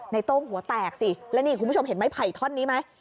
โต้งหัวแตกสิแล้วนี่คุณผู้ชมเห็นไม้ไผ่ท่อนนี้ไหม